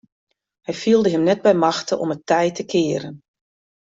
Hy fielde him net by machte om it tij te kearen.